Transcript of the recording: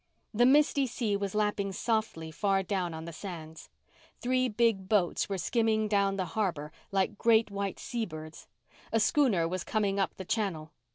The misty sea was lapping softly far down on the sands. Three big boats were skimming down the harbour like great white sea birds. A schooner was coming up the channel.